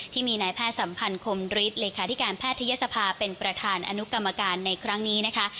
ที่มีนายแพทย์สัมพันธ์คมฤทธิ์เลขาธิการแพทยศภาเป็นประธานอนุกรรมการในครั้งนี้นะคะ